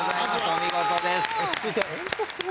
お見事です。